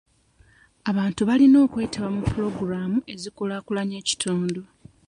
Abantu balina okwetaba mu pulogulaamu ezikulaakulanya ekitundu.